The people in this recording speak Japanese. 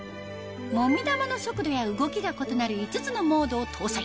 もみ玉の速度や動きが異なる５つのモードを搭載